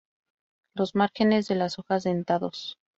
Los márgenes de las hojas dentados.